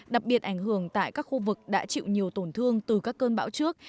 đặc biệt ảnh hưởng tại các khu vực đã chịu nhiều tổn thương từ các cơn bão trước